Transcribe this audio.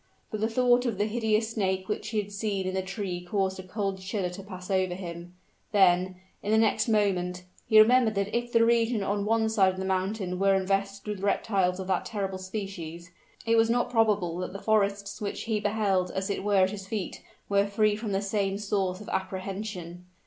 But the thought of the hideous snake which he had seen in the tree caused a cold shudder to pass over him then, in the next moment, he remembered that if the region on one side of the mountain were invested with reptiles of that terrible species, it was not probable that the forests which he beheld as it were at his feet, were free from the same source of apprehension.